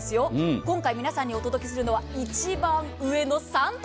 今回皆さんにお届けするのは、一番上の３特。